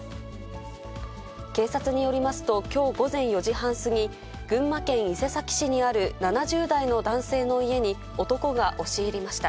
警察によりますと、きょう午前４時半過ぎ、群馬県伊勢崎市にある７０代の男性の家に、男が押し入りました。